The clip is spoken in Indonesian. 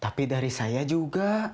tapi dari saya juga